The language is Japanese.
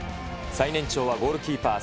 最年長はゴールキーパー、